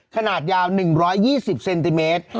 ขนาดยาว๑๒๐เซนติเมตร